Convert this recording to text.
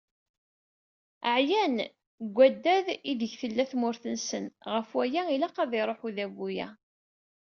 Ɛyan seg waddad ideg tella tmurt-nsen ɣef waya, ilaq ad iruḥ udabu-a.